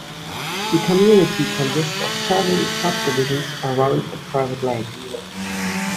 The community consists of several subdivisions around an private lake.